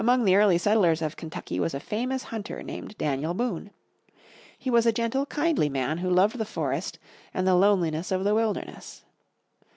Among the early settlers of Kentucky was a famous hunter named Daniel Boone. He was a gentle, kindly man who loved the forest and the loneliness of the wilderness.